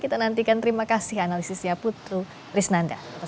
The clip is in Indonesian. kita nantikan terima kasih analisisnya putri risnanda